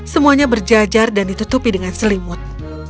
semuanya berjajar dan ditutupi dengan selimut